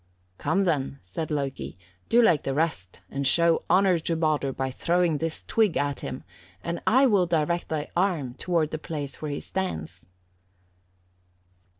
"'Come then,' said Loki, 'do like the rest, and show honour to Baldur by throwing this twig at him, and I will direct thy arm, toward the place where he stands.'